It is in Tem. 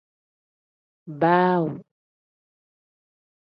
Baawu.